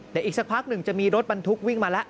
แต่อีกสักพักหนึ่งจะมีรถบรรทุกวิ่งมาแล้ว